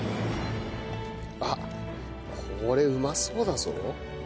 あっこれうまそうだぞ。